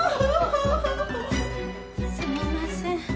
すみません。